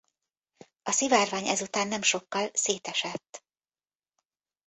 A szivárvány ezután nem sokkal szétesett.